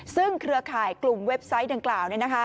ซึ่งเครือข่ายกลุ่มเว็บไซต์ดังกล่าว